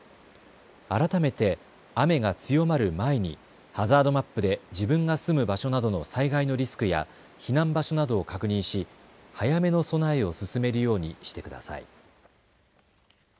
改めて雨が強まる前にハザードマップで自分が住む場所などの災害のリスクや避難場所などを確認し早めの備えを進めるようにしてください。